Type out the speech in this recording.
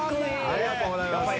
ありがとうございます。